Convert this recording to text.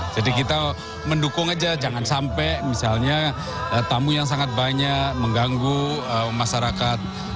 jadi kita mendukung aja jangan sampai misalnya tamu yang sangat banyak mengganggu masyarakat